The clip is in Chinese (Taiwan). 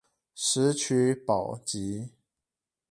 石渠寶笈